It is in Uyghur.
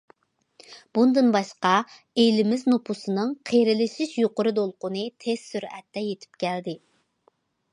بۇندىن باشقا، ئېلىمىز نوپۇسىنىڭ قېرىلىشىش يۇقىرى دولقۇنى تېز سۈرئەتتە يېتىپ كەلدى.